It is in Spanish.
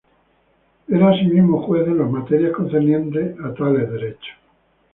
Era asimismo juez en las materias concernientes a tales derechos.